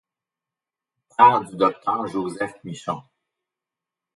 Père du docteur Joseph Michon.